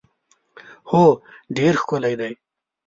هو ډېر ښکلی دی.